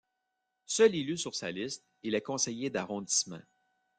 Seul élu sur sa liste, il est conseiller d'arrondissement.